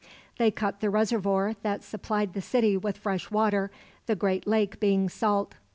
They cut the reservoir that supplied the city with fresh water, the great lake being salt.